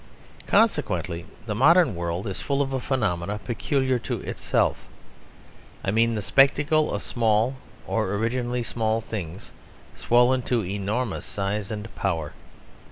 Consequently the modern world is full of a phenomenon peculiar to itself I mean the spectacle of small or originally small things swollen to enormous size and power.